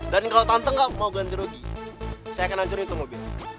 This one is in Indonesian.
dan kalau tante gak mau ganti rugi saya akan hancurin tuh mobil